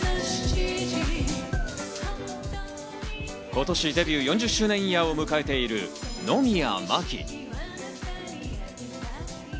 今年デビュー４０周年イヤーを迎えている野宮真貴。